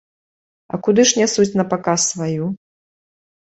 А куды ж нясуць напаказ сваю?